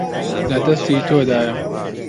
لە دەستی تۆدایە.